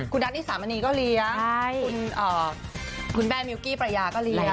คุณนัทนี่สามณีก็เลี้ยงคุณแม่มิวกี้ประยาก็เลี้ยง